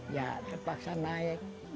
ya terpaksa naik